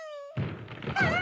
あっ！